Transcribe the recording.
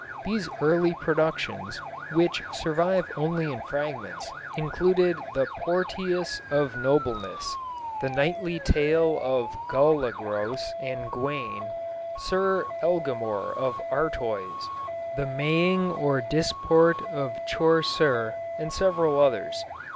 These early productions, which survive only in fragments, included The Porteous of Noblenes, The Knightly Tale of Golagros and Gawane, Sir Eglamoure of Artoys, The Maying or Disport of Chaucer, and several others.